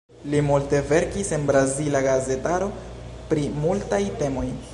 Li multe verkis en brazila gazetaro pri multaj temoj.